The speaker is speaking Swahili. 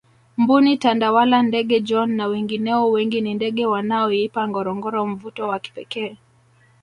mbuni tandawala ndege John na wengineo wengi ni ndege wanaoipa ngorongoro mvuto wa kipekee